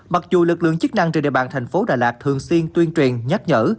mặc dù lực lượng chức năng trên địa bàn thành phố đà lạt thường xuyên tuyên truyền nhắc nhở